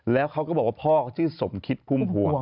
แล้วเขาก็บอกว่าพ่อเขาชื่อสมคิดพุ่มพวง